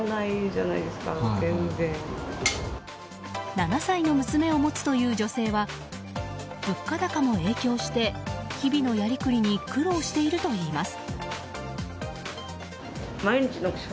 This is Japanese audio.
７歳の娘を持つという女性は物価高も影響して日々のやりくりに苦労しているといいます。